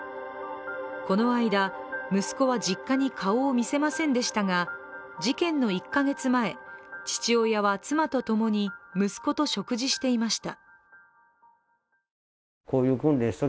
この間、息子は実家に顔を見せませんでしたが事件の１か月前、父親は妻とともに息子と食事していました。